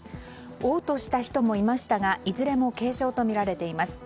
嘔吐した人もいましたがいずれも軽症とみられています。